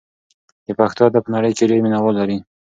د پښتو ادب په نړۍ کې ډېر مینه وال لري.